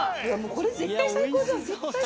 これ絶対最高じゃん。